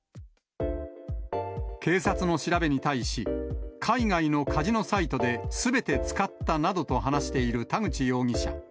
警察の調べに対し、海外のカジノサイトですべて使ったなどと話している田口容疑者。